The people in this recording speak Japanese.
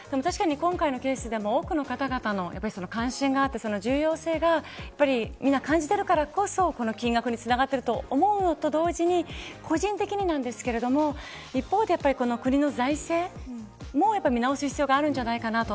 でも確かに今回のケースでも多くの方々の関心があって重要性をみんな感じているからこそこの金額につながっていると思うと同時に個人的になんですけど一方で、国の財政も見直す必要があるんじゃないかなと。